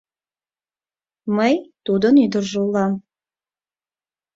— Мый тудын ӱдыржӧ улам.